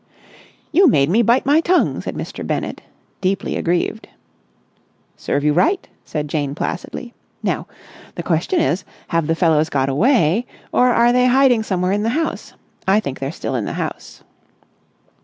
"You made me bite my tongue!" said Mr. Bennett, deeply aggrieved. "Serve you right!" said Jane placidly. "Now, the question is, have the fellows got away or are they hiding somewhere in the house? I think they're still in the house."